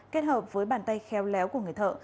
kết hợp với bàn tay khéo léo của người thợ